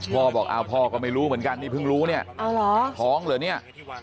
พ่อบอกอ้าวพ่อก็ไม่รู้เหมือนกันนี่เพิ่งรู้เนี่ยท้องเหรอเนี่ย